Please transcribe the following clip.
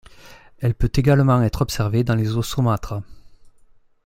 Elle peut également être observée dans les eaux saumâtres.